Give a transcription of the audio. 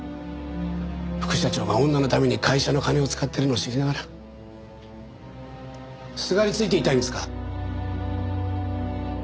副社長が女のために会社の金を使っているのを知りながらすがりついていたいんですか？